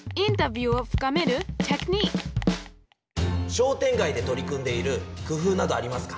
商店街で取り組んでいる工夫などありますか？